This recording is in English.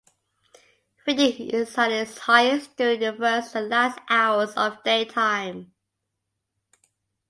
Feeding is at its highest during the first and last hours of daytime.